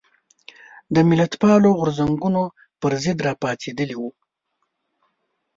د ملتپالو غورځنګونو پر ضد راپاڅېدلي وو.